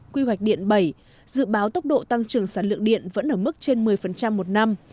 quy hoạch điện bảy dự báo tốc độ tăng trưởng sản lượng điện vẫn ở mức trên một mươi một năm